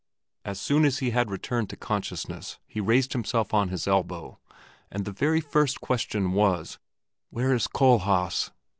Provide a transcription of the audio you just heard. As soon as he had returned to consciousness he raised himself on his elbow, and his very first question was, "Where is Kohlhaas?"